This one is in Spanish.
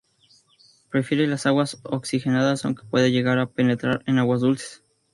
Prefiere las aguas oxigenadas, aunque puede llegar a penetrar en aguas dulces.